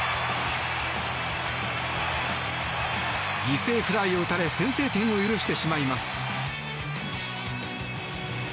犠牲フライを打たれ先制点を許してしまいます。